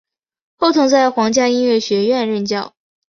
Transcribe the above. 后曾在皇家音乐学院任教。